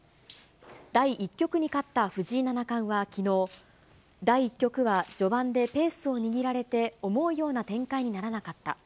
第１局に勝った藤井七冠はきのう、第１局は序盤でペースを握られて、思うような展開にならなかった。